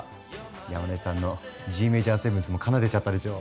山根さんのＧメジャーセブンスも奏でちゃったでしょう？